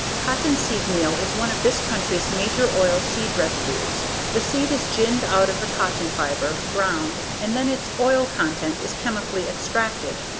Cottonseed meal is one of this country's major oil seed residues. The seed is ginned out of the cotton fiber, ground, and then its oil content is chemically extracted.